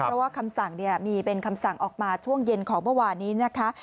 เพราะว่าคำสั่งมีเป็นคำสั่งออกมาช่วงเย็นของเมื่อวานนี้นะคะ